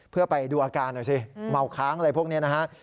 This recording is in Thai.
เพื่อไปดูอาการหน่อยสิเมาค้างอะไรพวกนี้นะฮะ